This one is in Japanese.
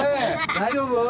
大丈夫？